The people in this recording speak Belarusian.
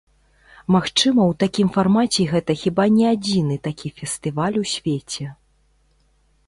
Магчыма ў такім фармаце гэта хіба не адзіны такі фестываль у свеце.